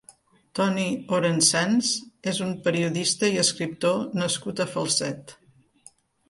Toni Orensanz és un periodista i escriptor nascut a Falset.